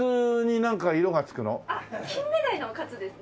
金目鯛のカツですね。